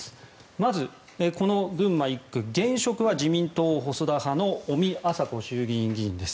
まず、この群馬１区現職は自民党細田派の尾身朝子衆院議員です。